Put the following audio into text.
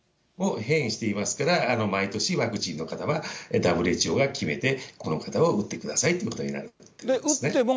もう変異してますから、毎年、ワクチンの型は、ＷＨＯが決めて、この型を打ってくださいということになりますね。